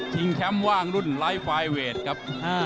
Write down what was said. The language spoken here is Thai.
แชมป์ว่างรุ่นไลฟ์ไฟล์เวทครับ